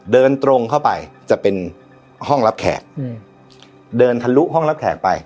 เดินตรงเข้าไปจะเป็นห้องรับแขกเดินทะลุห้องรับแขกไป